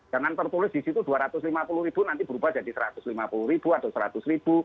jangan tertulis di situ dua ratus lima puluh ribu nanti berubah jadi satu ratus lima puluh ribu atau seratus ribu